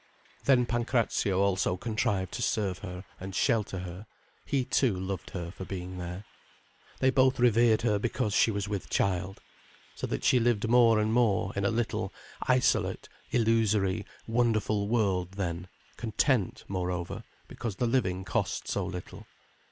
Then Pancrazio also contrived to serve her and shelter her, he too, loved her for being there. They both revered her because she was with child. So that she lived more and more in a little, isolate, illusory, wonderful world then, content, moreover, because the living cost so little.